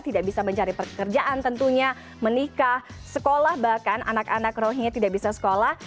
tidak bisa mencari pekerjaan tentunya menikah sekolah bahkan anak anak rohingya tidak bisa sekolah